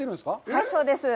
はい、そうです。